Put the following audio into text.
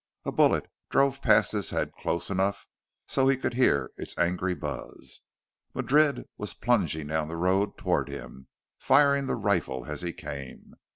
A bullet drove past his head close enough so he could hear its angry buzz. Madrid was plunging down the road toward him, firing the rifle as he came.